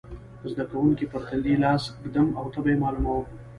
د زده کوونکي پر تندې لاس ږدم او تبه یې معلوموم.